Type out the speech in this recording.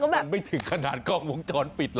มันไม่ถึงขนาดกล้องมองช้อนปิดนะคะ